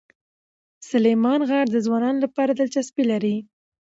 سلیمان غر د ځوانانو لپاره دلچسپي لري.